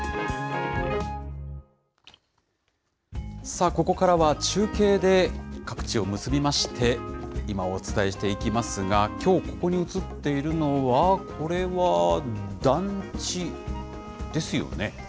さあ、ここからは中継で各地を結びまして、今をお伝えしていきますが、きょうここに映っているのは、これは団地ですよね。